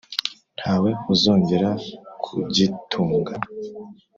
Nta we uzongera kugitunga: